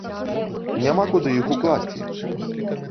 Няма куды іх укласці.